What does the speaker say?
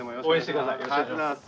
よろしくお願いします。